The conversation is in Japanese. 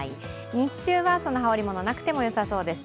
日中は羽織り物、なくてもよさそうです。